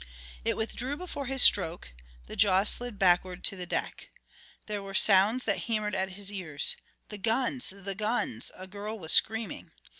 It withdrew before his stroke the jaws slid backward to the deck. There were sounds that hammered at his ears. "The guns! The guns!" a girl was screaming.